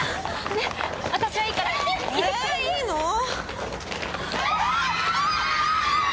えいいの？